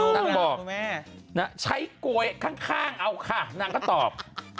นางบอกใช้โกยข้างเอาค่ะนางก็ตอบ